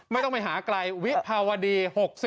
ไม่ต้องไปหาไกลวิภาวดี๖๐